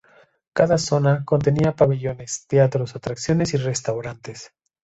Cada zona contenía pabellones, teatros, atracciones y restaurantes.